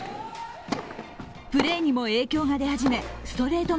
プレーにも影響が出始めストレート